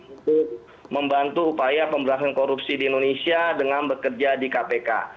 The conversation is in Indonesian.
untuk membantu upaya pemberantasan korupsi di indonesia dengan bekerja di kpk